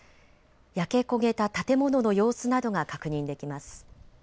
焼け焦げた建物の様子などが確認できます。